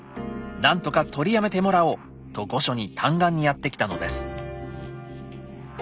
何とかとりやめてもらおう」と御所に嘆願にやって来たのです。